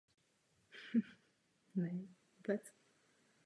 Pracoval jako člen výboru práce a sociálních věcí a výboru pro vzdělávání a kulturu.